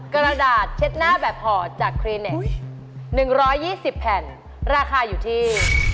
กรดาดเช็ดหน้าแบบหอจากครีเนคหนึ่งร้อยยี่สิบแผ่นราคาอยู่ที่